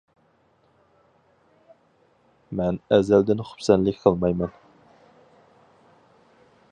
مەن ئەزەلدىن خۇپسەنلىك قىلمايمەن.